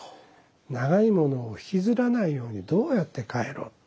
長いものを引きずらないようにどうやって帰ろう。